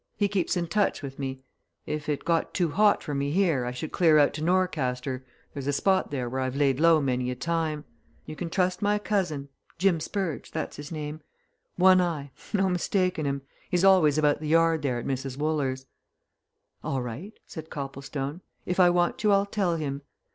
He keeps in touch with me if it got too hot for me here, I should clear out to Norcaster there's a spot there where I've laid low many a time. You can trust my cousin Jim Spurge, that's his name. One eye, no mistaking of him he's always about the yard there at Mrs. Wooler's." "All right," said Copplestone. "If I want you, I'll tell him.